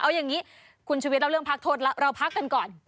เอาอย่างนี้คุณชุวิตเล่าเรื่องพักโทษแล้วเราพักกันก่อน